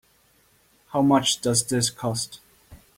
How much does this cost?